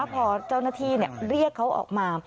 พอเจ้าหน้าที่เรียกเขาออกมา